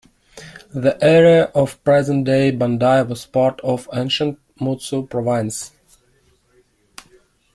The area of present-day Bandai was part of ancient Mutsu Province.